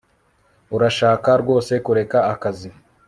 Urashaka rwose kureka akazi